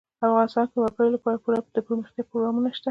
افغانستان کې د وګړي لپاره پوره دپرمختیا پروګرامونه شته دي.